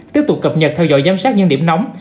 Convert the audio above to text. tiếp tục cập nhật theo dõi giám sát những điểm nóng